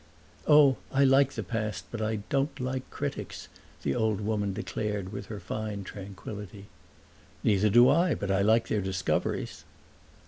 "Oh, I like the past, but I don't like critics," the old woman declared with her fine tranquility. "Neither do I, but I like their discoveries."